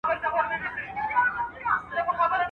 چي زوړ سې، نر به دي بولم چي په جوړ سې.